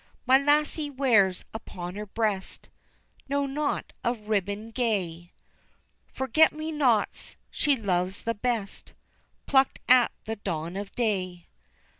My lassie wears upon her breast No knot of ribbon gay, Forget me nots she loves the best, Plucked at the dawn of day.